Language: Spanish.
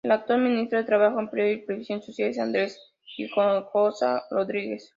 El actual ministro de Trabajo, Empleo y Previsión Social es Andres Hinojosa Rodríguez.